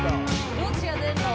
どっちが出んの？